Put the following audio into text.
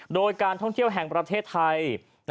โดยการท่องเที่ยวแห่งประเทศไทย